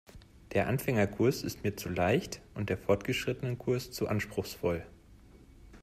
Der Anfängerkurs ist mir zu leicht und der Fortgeschrittenenkurs zu anspruchsvoll.